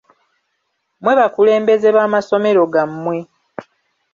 Mmwe bakulembeze b'amasomero gammwe.